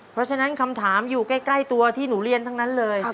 เพราะฉะนั้นคำถามอยู่ใกล้ตัวที่หนูเรียนทั้งนั้นเลย